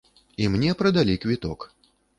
І мне прадалі квіток.